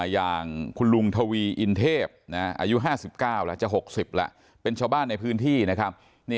อย่างคุณลุงทวีอินเทพอายุ๕๙แล้วจะ๖๐แล้วเป็นชาวบ้านในพื้นที่นะครับ